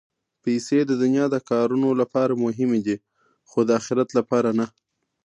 پېسې د دنیا د کارونو لپاره مهمې دي، خو د اخرت لپاره نه.